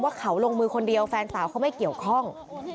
เขาลงมือคนเดียวแฟนสาวเขาไม่เกี่ยวข้อง